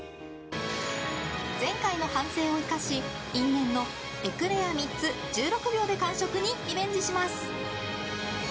前回の反省を生かし因縁のエクレア３つ１６秒で完食にリベンジします！